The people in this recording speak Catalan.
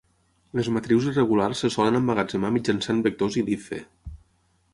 Les matrius irregulars se solen emmagatzemar mitjançant vectors Iliffe.